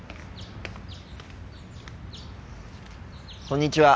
こんにちは。